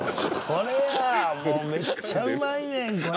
これやもうめっちゃうまいねんこれ。